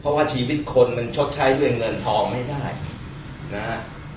เพราะว่าชีวิตคนมันชดใช้ด้วยเงินทองไม่ได้นะฮะ